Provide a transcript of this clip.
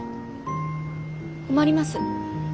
困ります。